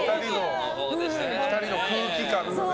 ２人の空気感がね。